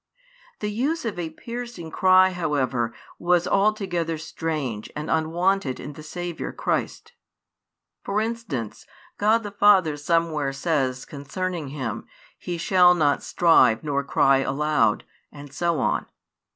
The use of a piercing cry, however, was altogether strange and unwonted in the Saviour Christ. For instance, God the Father somewhere says concerning Him: He shall not strive nor cry aloud, and so on.